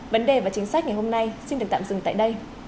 vấn đề và chính sách ngày hôm nay xin được tạm dừng tại đây